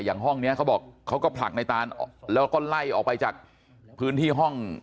ห้องนี้เขาบอกเขาก็ผลักในตานแล้วก็ไล่ออกไปจากพื้นที่ห้อง